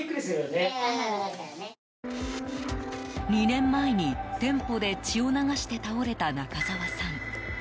２年前に店舗で血を流して倒れた中沢さん。